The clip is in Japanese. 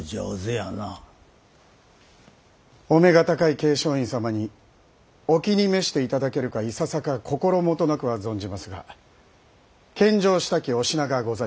桂昌院様にお気に召して頂けるかいささか心もとなくは存じますが献上したきお品がござります。